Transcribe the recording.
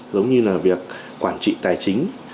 giống như là việc quản trị tài chính